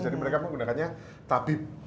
jadi mereka menggunakannya tabib